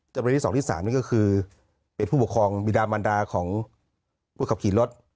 จำนวนที่๒ที่๓นี่ก็คือเป็นผู้ปกครองบิดามันดาของผู้ขับขี่รถ